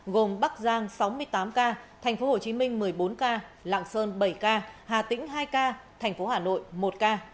gồm bắc giang sáu mươi tám ca tp hcm một mươi bốn ca lạng sơn bảy ca hà tĩnh hai ca tp hn một ca